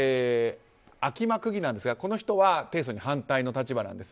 秋間区議ですがこの人は提訴に反対の立場です。